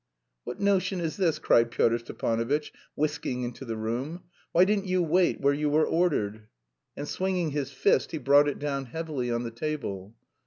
"What notion is this?" cried Pyotr Stepanovitch, whisking into the room. "Why didn't you wait where you were ordered?" And swinging his fist, he brought it down heavily on the table.